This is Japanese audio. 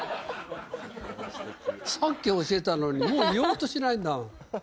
さっき教えたのにもう言おうとしないんだもん。